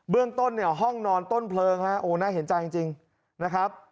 เบื้องต้นห้องนอนต้นเพลิงหน้าเห็นจังจริงนะครับ